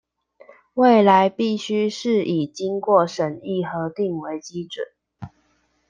未來必須是以經過審議核定為基準